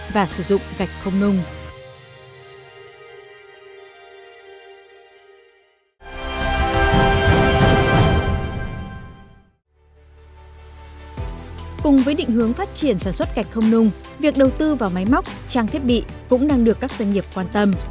cùng với định hướng phát triển sản xuất gạch không nung việc đầu tư vào máy móc trang thiết bị cũng đang được các doanh nghiệp quan tâm